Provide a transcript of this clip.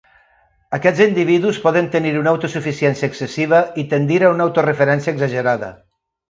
Aquests individus poden tenir una autosuficiència excessiva i tendir a una autoreferència exagerada.